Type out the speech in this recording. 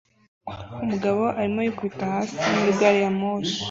Umugabo arimo yikubita hasi muri gari ya moshi